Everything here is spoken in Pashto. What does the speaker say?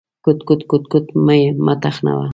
_کوټ، کوټ، کوټ… مه مې تخنوه.